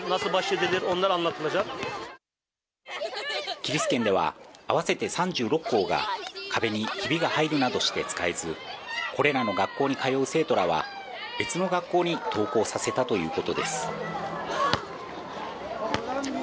キリス県では合わせて３６校が壁にひびが入るなどして使えず、これらの学校に通う生徒らは別の学校に登校させたということです。